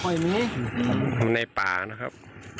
อยู่ในป่านะครับ